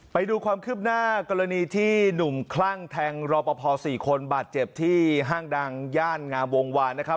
ไปดูความคืบหน้ากรณีที่หนุ่มคลั่งแทงรอปภ๔คนบาดเจ็บที่ห้างดังย่านงามวงวานนะครับ